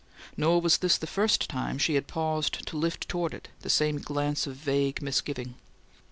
Nor was this the first time she had paused to lift toward it that same glance of vague misgiving.